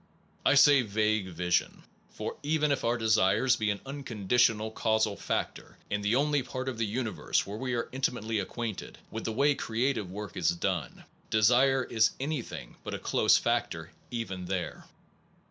I say vague vision, for even if our desires be an unconditional causal factor in the only part Perceptual of the universe where we are inti causation ,,, i .1 .1 sets a mately acquainted with the way problem creative work is done, desire is any thing but a close factor, even there.